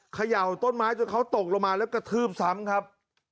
เขย่าต้นไม้จนเขาตกลงมาแล้วกระทืบซ้ำครับ